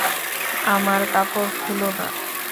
আমার কাপড় খুলো না।